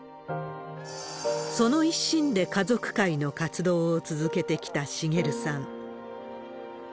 その一心で家族会の活動を続けてきた滋さん。